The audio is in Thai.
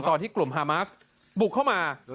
ตอนที่กลุ่มฮามาสบุกเข้ามา